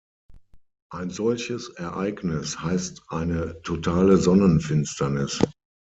Ein solches Ereignis heißt eine totale Sonnenfinsternis.